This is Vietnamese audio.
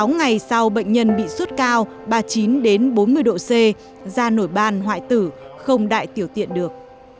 sáu ngày sau bệnh nhân bị suốt cao ba mươi chín bốn mươi độ c da nổi ban hoại tử không đại tiểu tiện được